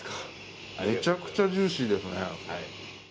めちゃくちゃジューシーですね。